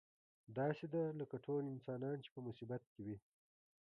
داسې ده لکه ټول انسانان چې په مصیبت کې وي.